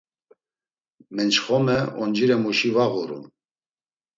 Mençxome oncire muşi va ğurun!